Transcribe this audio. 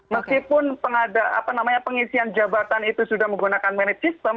meskipun pengisian jabatan itu sudah menggunakan manajer sistem